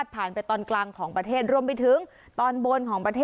โดยการติดต่อไปก็จะเกิดขึ้นการติดต่อไป